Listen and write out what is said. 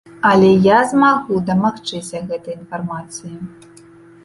Але я змагу дамагчыся гэтай інфармацыі.